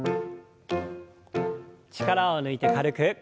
力を抜いて軽く。